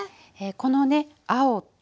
このね青と。